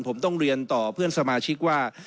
ผมต้องเรียนต่อเพื่อนสมาชิกว่า